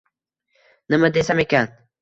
nima desam ekan...